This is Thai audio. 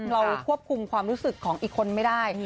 เราควบคุมความรู้สึกของอีกคนไม่ได้